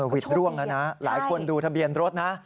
วิทย์ร่วงแล้วนะหลายคนดูทะเบียนรถนะ